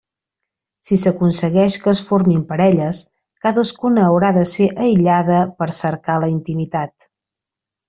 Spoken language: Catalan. Si s'aconsegueix que es formin parelles, cadascuna haurà de ser aïllada per cercar la intimitat.